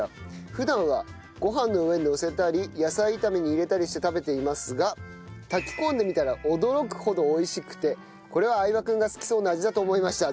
普段はごはんの上にのせたり野菜炒めに入れたりして食べていますが炊き込んでみたら驚くほど美味しくてこれは相葉くんが好きそうな味だと思いました。